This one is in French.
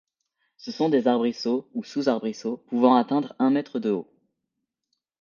Ce sont des arbrisseaux ou sous-arbrisseaux pouvant atteindre un mètre de haut.